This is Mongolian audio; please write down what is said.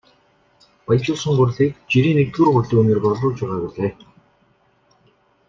Баяжуулсан гурилыг жирийн нэгдүгээр гурилын үнээр борлуулж байгаа билээ.